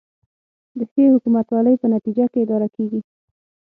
د ښې حکومتولې په نتیجه کې اداره کیږي